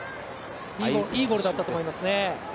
いいゴールだったと思いますね。